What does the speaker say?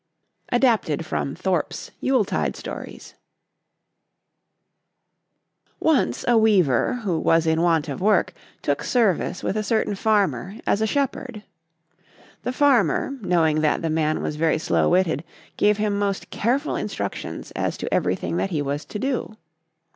[Adapted from Thorpe's Yule Tide Stories.] The Foolish Weaver Once a weaver, who was in want of work, took service with a certain farmer as a shepherd. The farmer, knowing that the man was very slow witted, gave him most careful instructions as to everything that he was to do.